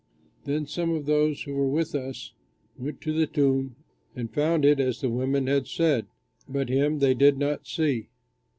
Then some of those who were with us went to the tomb and found it as the women had said. But him they did not see."